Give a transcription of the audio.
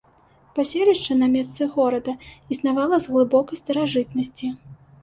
Паселішча на месцы горада існавала з глыбокай старажытнасці.